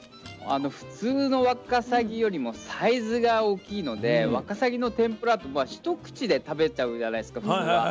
普通のわかさぎよりもサイズが大きいのでわかさぎの天ぷらって一口で食べちゃうじゃないですか普通は。